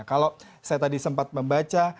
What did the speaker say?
kalau saya tadi sempat membaca